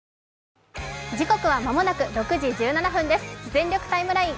「全力タイムライン」